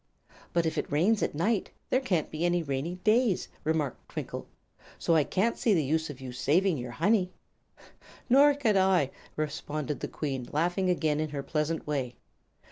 "But if it rains at night, there can't be any rainy days," remarked Twinkle; "so I can't see the use of saving your honey." "Nor can I," responded the Queen, laughing again in her pleasant way.